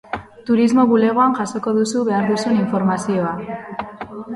Turismo bulegoan jasoko duzu behar duzun informazioa